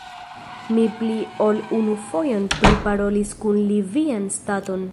Mi pli ol unu fojon priparolis kun li vian staton.